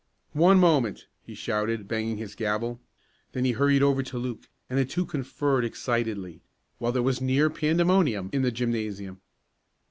"One moment!" he shouted, banging his gavel. Then he hurried over to Luke and the two conferred excitedly, while there was a near pandemonium in the gymnasium.